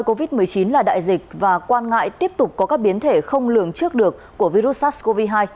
covid một mươi chín là đại dịch và quan ngại tiếp tục có các biến thể không lường trước được của virus sars cov hai